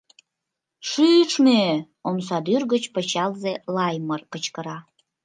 Шӱшмӧ! — омсадӱр гыч пычалзе Лаймыр кычкыра.